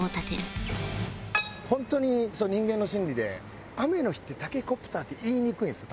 本当に人間の心理で雨の日ってタケコプターって言いにくいんですよ